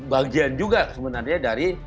bagian juga sebenarnya dari